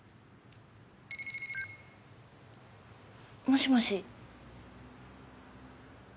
もしもし？